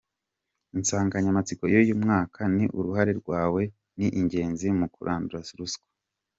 Insanganyamatsiko y’uyu mwaka ni: “Uruhare rwawe ni ingenzi mu kurandura ruswa ”.